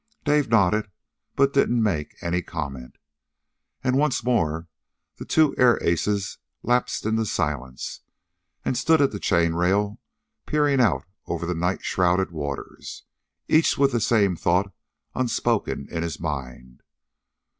Dave nodded, but didn't make any comment. And once more the two air aces lapsed into silence and stood at the chain rail peering out over the night shrouded waters, each with the same thought unspoken in his mind.